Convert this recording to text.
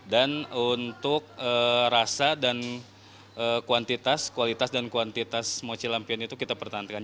dan untuk rasa dan kualitas dan kuantitas mochi lampion itu kita pertantikan